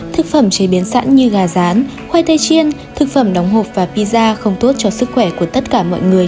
thực phẩm chế biến sẵn như gà rán khoai tây chiên thực phẩm đóng hộp và pizza không tốt cho sức khỏe của tất cả mọi người